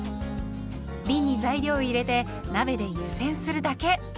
びんに材料を入れて鍋で湯煎するだけ。